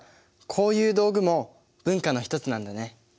こういう道具も文化の一つなんだね。